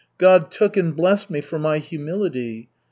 God took and blessed me for my humility.